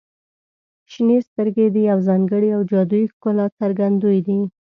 • شنې سترګې د یو ځانګړي او جادويي ښکلا څرګندوي.